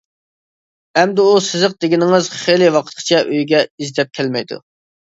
ئەمدى ئۇ سىزىق دېگىنىڭىز خېلى ۋاقىتقىچە ئۆيگە ئىزدەپ كەلمەيدۇ.